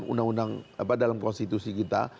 undang undang dalam konstitusi kita